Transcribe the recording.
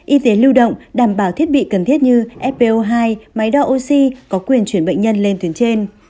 y tế lưu động đảm bảo thiết bị cần thiết như fpo hai máy đo oxy có quyền chuyển bệnh nhân lên tuyến trên